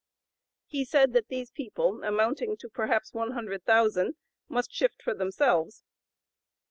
He said that these people, amounting perhaps to one hundred thousand, "must shift for themselves."